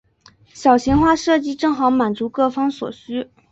小型化设计正好满足各方所需。